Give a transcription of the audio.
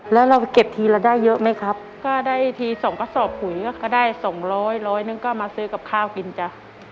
แล้วเราเก็บทีละได้เยอะไหมครับก็ได้ทีสองกระสอบปุ๋ยก็ได้สองร้อยร้อยหนึ่งก็มาซื้อกับข้าวกินจ้ะ